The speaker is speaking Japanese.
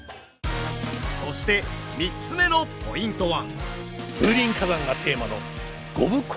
そして３つ目のポイントは。